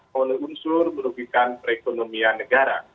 oleh unsur merugikan perekonomian negara